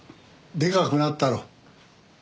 でかくなったろう？